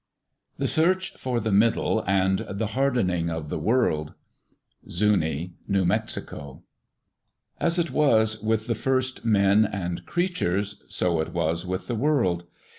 The Search for the Middle and the Hardening of the World Zuni (New Mexico) As it was with the first men and creatures, so it was with the world.